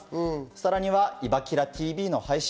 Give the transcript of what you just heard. さらには『いばキラＴＶ』の配信。